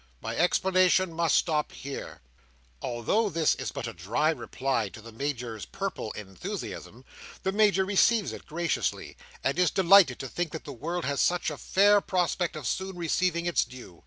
My explanation must stop here." Although this is but a dry reply to the Major's purple enthusiasm, the Major receives it graciously, and is delighted to think that the world has such a fair prospect of soon receiving its due.